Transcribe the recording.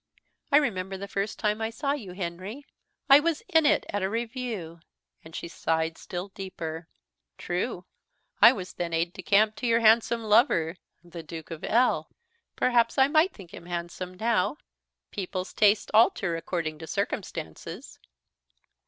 _ I remember the first time I saw you, Henry, I was in it at a review;" and she sighed still deeper. "True; I was then aid de camp to your handsome lover, the Duke of L ." "Perhaps I might think him handsome now. People's tastes alter according to circumstances."